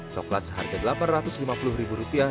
coklat seharga delapan ratus lima puluh rupiah